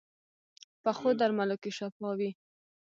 پخو درملو کې شفا وي